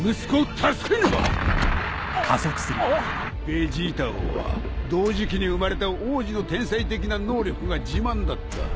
ベジータ王は同時期に生まれた王子の天才的な能力が自慢だった。